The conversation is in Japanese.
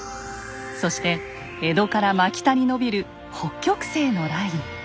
そして江戸から真北に延びる北極星のライン。